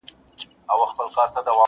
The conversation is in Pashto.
لرګی په اور کي ښوروي په اندېښنو کي ډوب دی؛